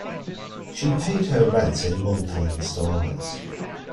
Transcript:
She paid her rent in monthly instalments